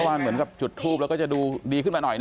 เหมือนกับจุดทูปแล้วก็จะดูดีขึ้นมาหน่อย